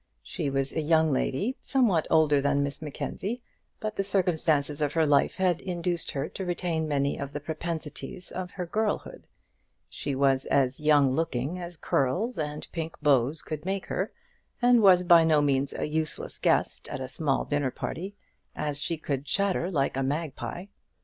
She was a young lady somewhat older than Miss Mackenzie; but the circumstances of her life had induced her to retain many of the propensities of her girlhood. She was as young looking as curls and pink bows could make her, and was by no means a useless guest at a small dinner party, as she could chatter like a magpie.